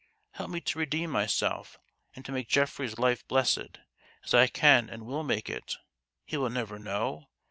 Help me to redeem myself and to make Geoffrey's life blessed, as I can and will make it. He will never know.